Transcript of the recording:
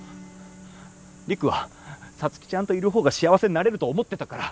陸は皐月ちゃんといる方が幸せになれると思ってたから。